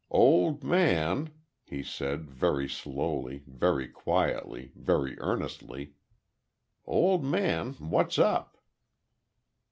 "Old man," he said, very slowly, very quietly, very earnestly; "old man, what's up?"